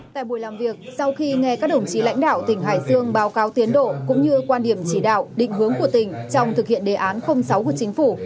tại buổi làm việc sau khi nghe các đồng chí lãnh đạo tỉnh hải dương báo cáo tiến độ cũng như quan điểm chỉ đạo định hướng của tỉnh trong thực hiện đề án sáu của chính phủ